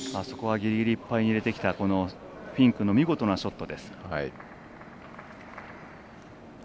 ギリギリいっぱいに入れてきたフィンクの見事なショット。